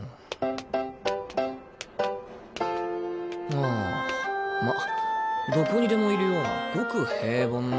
ああまどこにでもいるようなごく平凡な。